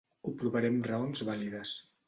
Ho provaré amb raons vàlides.